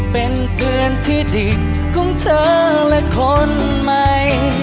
เป็นเพื่อนที่ดีของเธอและคนใหม่